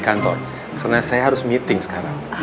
kantor karena saya harus meeting sekarang